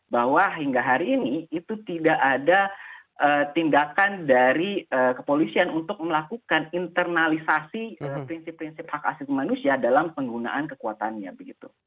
bahwa hingga hari ini itu tidak ada tindakan dari kepolisian untuk melakukan internalisasi prinsip prinsip hak asli manusia dalam penggunaan kekuatannya begitu